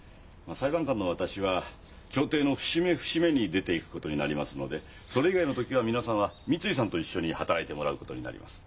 裁判官の私は調停の節目節目に出ていくことになりますのでそれ以外の時は皆さんは三井さんと一緒に働いてもらうことになります。